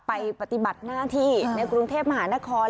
ปฏิบัติหน้าที่ในกรุงเทพมหานคร